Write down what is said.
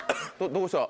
どうした？